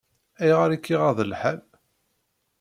Ayɣer i k-iɣaḍ lḥal?